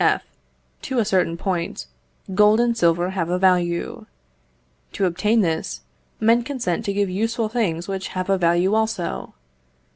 F. To a certain point, gold and silver have a value. To obtain this, men consent to give useful things which have a value also.